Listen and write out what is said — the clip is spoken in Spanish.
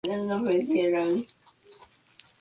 La versión contó con una recepción crítica favorable.